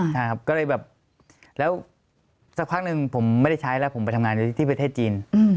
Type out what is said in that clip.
ใช่ครับก็เลยแบบแล้วสักพักหนึ่งผมไม่ได้ใช้แล้วผมไปทำงานอยู่ที่ประเทศจีน